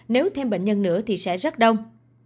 nếu thêm bệnh nhân nữa thì sẽ rất đông